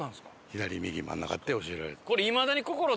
左右真ん中って教えられた。